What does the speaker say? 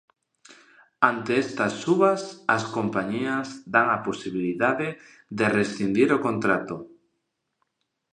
Ante estas subas, as compañías dan a posibilidade de rescindir o contrato.